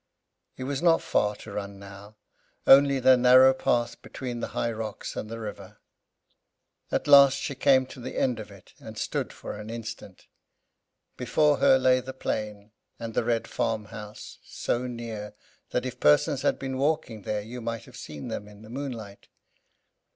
It was not far to run now. Only the narrow path between the high rocks and the river. At last she came to the end of it, and stood for an instant. Before her lay the plain, and the red farmhouse, so near, that if persons had been walking there you might have seen them in the moonlight.